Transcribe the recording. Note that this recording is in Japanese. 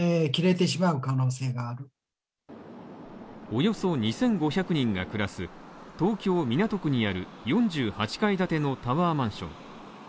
およそ２５００人が暮らす東京・港区にある４８階建てのタワーマンション。